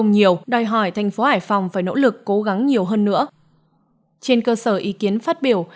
nhiều đòi hỏi thành phố hải phòng phải nỗ lực cố gắng nhiều hơn nữa trên cơ sở ý kiến phát biểu